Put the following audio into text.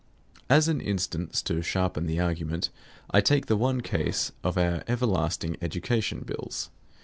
As an instance to sharpen the argument, I take the one case of our everlasting education bills.